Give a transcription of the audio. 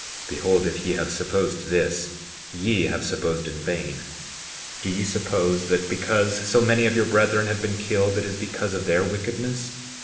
Behold, if ye have supposed this ye have supposed in vain. 60:12 Do ye suppose that, because so many of your brethren have been killed it is because of their wickedness?